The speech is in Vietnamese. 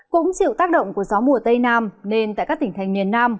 cũng chịu tác động của gió mùa tây nam nên tại các tỉnh thành miền nam